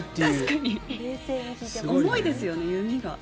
重いですよね、弓が。